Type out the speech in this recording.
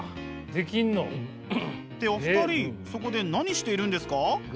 できんの？ってお二人そこで何しているんですか？